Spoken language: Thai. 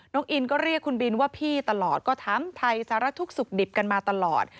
อินก็เรียกคุณบินว่าพี่ตลอดก็ถามไทยสารทุกข์สุขดิบกันมาตลอด